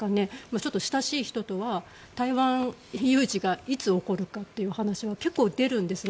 ちょっと親しい人とは台湾有事がいつ起こるかって話は結構、出るんですね。